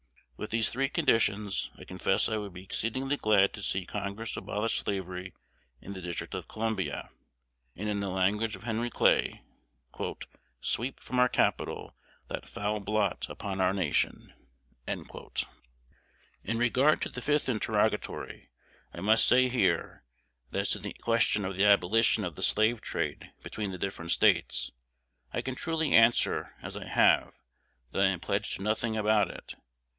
With these three conditions, I confess I would be exceedingly glad to see Congress abolish slavery in the District of Columbia, and, in the language of Henry Clay, "sweep from our capital that foul blot upon our nation." In regard to the fifth interrogatory, I must say here, that as to the question of the abolition of the slave trade between the different States, I can truly answer, as I have, that I am pledged to nothing about it.